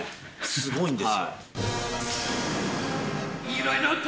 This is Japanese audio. すごいんですよ。